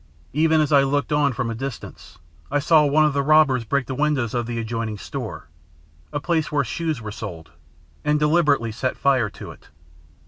Even as I looked on from a distance, I saw one of the robbers break the windows of the adjoining store, a place where shoes were sold, and deliberately set fire to it.